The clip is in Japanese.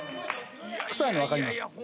「臭いの分かります。